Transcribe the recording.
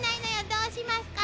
どうしますか？